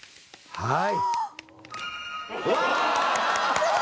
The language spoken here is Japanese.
はい。